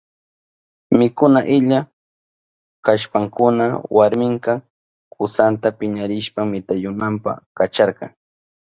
Mikuna illa kashpankuna warminka kusanta piñarishpan mitayunanpa kacharka.